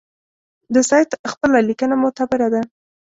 د سید خپله لیکنه معتبره ده.